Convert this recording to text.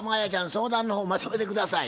相談の方まとめて下さい。